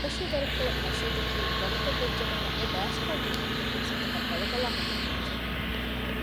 ދޮށީ ދަރިފުޅު ނަޝީދަކީ ވަގުތެއްވެއްޖެ ނަމަ އެ ބައިސްކަލް ދުއްވުމުގެ ފުރުސަތަކަށް ބަލަބަލާ ހުންނަ ކުއްޖެއް